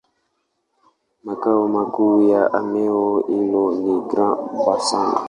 Makao makuu ya eneo hilo ni Grand-Bassam.